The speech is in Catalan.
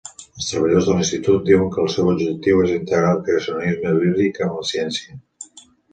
Els treballadors de l'institut diuen que el seu objectiu és integrar el creacionisme bíblic amb la ciència.